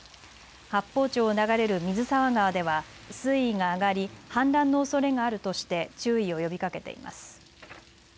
八峰町を流れる水沢川では水位が上がり氾濫のおそれがあるとして注意を呼びかけています。